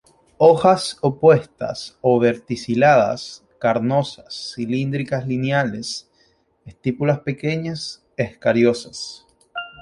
Hojas opuestas o verticiladas, carnosas, cilíndricas lineales; estípulas pequeñas, escariosas.